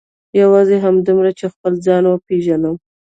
یوازې همدومره چې خپل ځان وپېژنم.